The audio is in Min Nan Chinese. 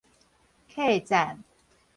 客棧